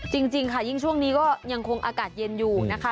จริงค่ะยิ่งช่วงนี้ก็ยังคงอากาศเย็นอยู่นะคะ